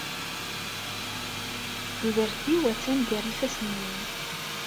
Tudert-iw attan gar ifassen-nwen.